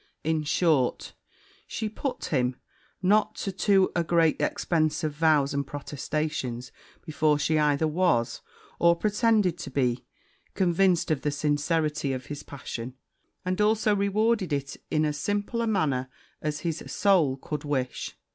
In short, she put him not to a too great expence of vows and protestations before she either was, or pretended to be, convinced of the sincerity of his passion, and also rewarded it in as ample a manner as his soul could wish.